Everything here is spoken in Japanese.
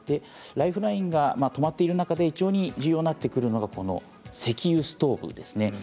ライフラインが止まっている中で重要になってくるのが石油ストーブです。